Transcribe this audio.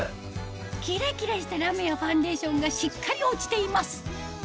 キラキラしたラメやファンデーションがしっかり落ちています